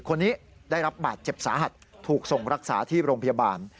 คนนี้ได้รับบาดเจ็บสาหัสถูกส่งรักษาที่โรงพยาบาล